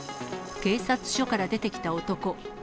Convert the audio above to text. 警察署から出てきた男。